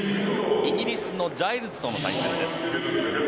イギリスのジャイルズとの対戦です。